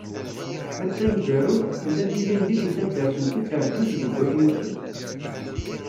Ma d taneggarut, tella-d ilindi deg taddart n Tiferdud deg At Yusef.